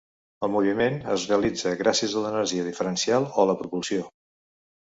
El moviment es realitza gràcies a l'energia diferencial o la propulsió.